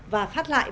và phát lại